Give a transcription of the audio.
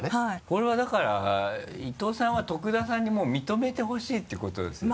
これはだから伊藤さんは徳田さんにもう認めてほしいってことですよね？